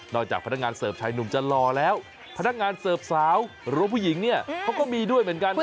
จากพนักงานเสิร์ฟชายหนุ่มจะรอแล้วพนักงานเสิร์ฟสาวหรือว่าผู้หญิงเนี่ยเขาก็มีด้วยเหมือนกันนะ